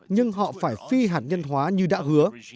nhưng họ phải phi hạt nhân hóa như đã hứa